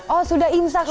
oh sudah imsak rupanya